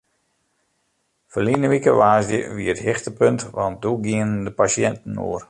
Ferline wike woansdei wie it hichtepunt want doe gienen de pasjinten oer.